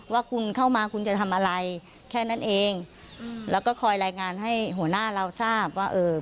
ว่าคุณเข้ามาคุณจะทำอะไรแค่นั้นเองอืมแล้วก็คอยรายงานให้หัวหน้าเราทราบว่าเอ่อ